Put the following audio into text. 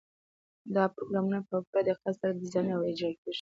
دا پروګرامونه په پوره دقت سره ډیزاین او اجرا کیږي.